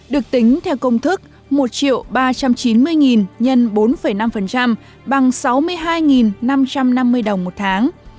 được tính theo công thức một ba trăm chín mươi x bốn năm bằng sáu mươi hai năm trăm năm mươi đồng một tháng